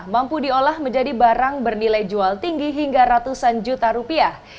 mampu diolah menjadi barang bernilai jual tinggi hingga ratusan juta rupiah